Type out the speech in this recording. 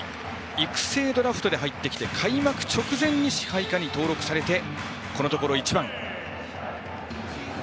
育成ドラフトで入ってきて開幕直前に支配下に登録されてこのところ１番。